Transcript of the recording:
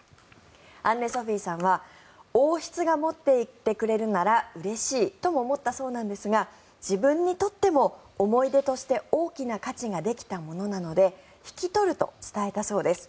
アンネ・ソフィーさんは王室が持っていてくれるならうれしいとも思ったそうなんですが自分にとっても思い出として大きな価値ができたものなので引き取ると伝えたそうです。